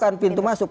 bukan pintu masuk